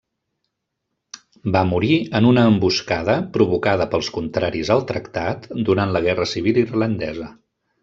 Va morir en una emboscada provocada pels contraris al tractat durant la guerra civil irlandesa.